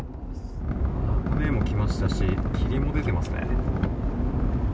雨も来ましたし、霧も出てますね。